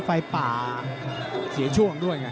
ไฟป่าเสียช่วงด้วยไง